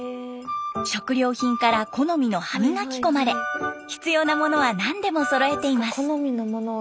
食料品から好みの歯磨き粉まで必要なものは何でもそろえています。